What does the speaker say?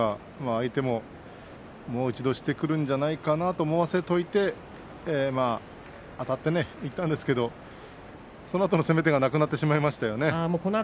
相手も、もう一度してくるんじゃないかなと思わせておいてあたっていったんですけどそのあとの攻め手がなくなってしまいましたよね。